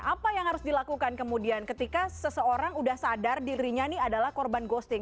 apa yang harus dilakukan kemudian ketika seseorang sudah sadar dirinya ini adalah korban ghosting